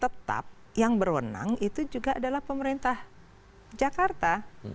tetap yang berwenang itu juga adalah pemerintah jakarta